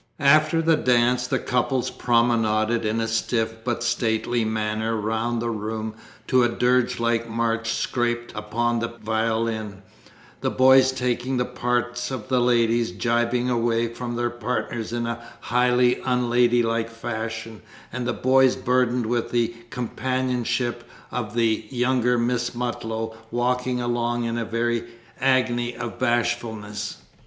After the dance the couples promenaded in a stiff but stately manner round the room to a dirge like march scraped upon the violin, the boys taking the parts of ladies jibbing away from their partners in a highly unlady like fashion, and the boy burdened with the companionship of the younger Miss Mutlow walking along in a very agony of bashfulness.